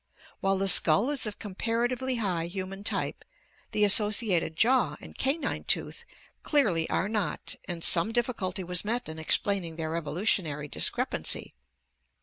While the skull is of comparatively high human type, the asso ciated jaw and canine tooth clearly are not and some difficulty was met in explaining their evolutionary discrepancy.